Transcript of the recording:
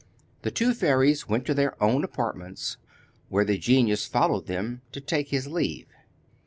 The two fairies went to their own apartments, where the genius followed them to take his leave.